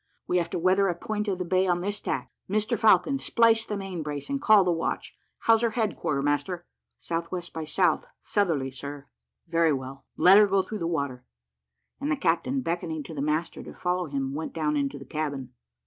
We have to weather a point of the bay on this tack. Mr Falcon, splice the main brace, and call the watch. How's her head, quarter master?" "S.W. by S. Southerly, sir." "Very well; let her go through the water;" and the captain, beckoning to the master to follow him, went down into the cabin.